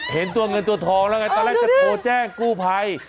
เห็นตัวเงินตัวทองแล้วไงตอนแรกจะโทรแจ้งกู้ภัย